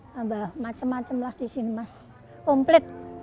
tambah macam macam lah di sini mas komplit